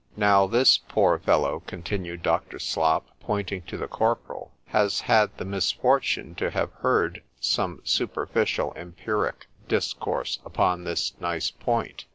_——Now this poor fellow, continued Dr. Slop, pointing to the corporal, has had the misfortune to have heard some superficial empiric discourse upon this nice point.